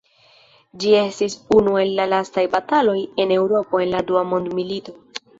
Ĝi estis unu el la lastaj bataloj en Eŭropo en la Dua Mondmilito.